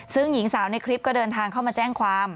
ซึ่งหญิงสาวในคลิปก็เดินทางเข้ามาแจ้งความ